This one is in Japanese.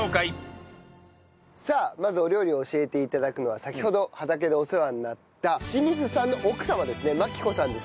さあまずお料理を教えて頂くのは先ほど畑でお世話になった清水さんの奥様ですね万紀子さんです。